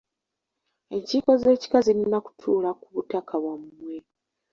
Enkiiko z’ekika zirina kutuula ku butaka bwa mmwe.